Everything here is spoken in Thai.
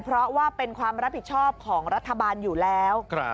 เพราะว่าเป็นความรับผิดชอบของรัฐบาลอยู่แล้ว